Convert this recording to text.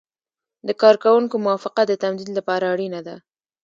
د کارکوونکي موافقه د تمدید لپاره اړینه ده.